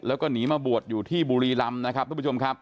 แล้วก็หนีมาบวชอยู่ที่บุรีรำนะครับทุกผู้ชมครับ